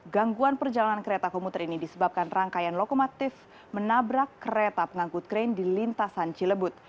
gangguan perjalanan kereta komuter ini disebabkan rangkaian lokomotif menabrak kereta pengangkut krain di lintasan cilebut